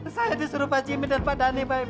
saya disuruh pak jimmy dan pak dhani